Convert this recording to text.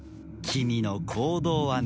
君の行動はね。